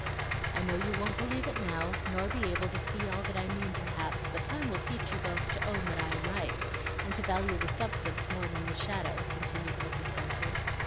"I know you won't believe it now, nor be able to see all that I mean perhaps, but time will teach you both to own that I am right, and to value the substance more than the shadow," continued Mrs. Spenser.